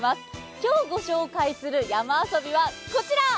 今日ご紹介する山遊びはこちら。